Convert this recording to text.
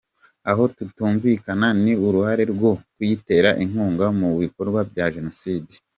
Aho tutumvikana ni uruhare rwo kuyitera inkunga mu bikorwa bya jenoside”.